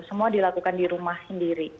semua dilakukan di rumah sendiri